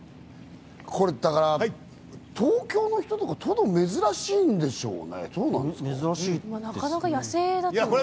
東京の人とか、トドは珍しいんでしょうね。